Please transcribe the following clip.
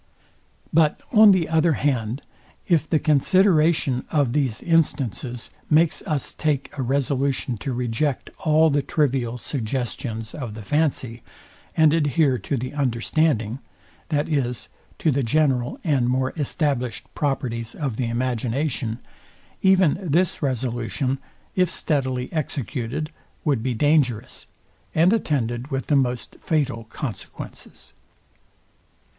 But on the other hand, if the consideration of these instances makes us take a resolution to reject all the trivial suggestions of the fancy, and adhere to the understanding, that is, to the general and more established properties of the imagination; even this resolution, if steadily executed, would be dangerous, and attended with the most fatal consequences.